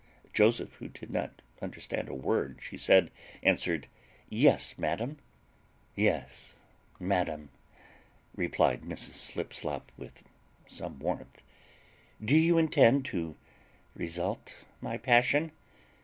Joseph, who did not understand a word she said, answered, "Yes, madam." "Yes, madam!" replied Mrs. Slipslop with some warmth, "Do you intend to result my passion?